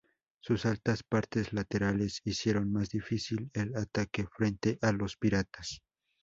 Sus altas partes laterales hicieron más difícil el ataque frente a los piratas.